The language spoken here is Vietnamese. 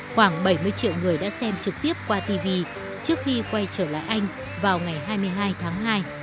khoảng bảy mươi triệu người đã xem trực tiếp qua tv trước khi quay trở lại anh vào ngày hai mươi hai tháng hai